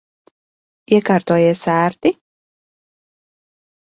Iekārtojies ērti?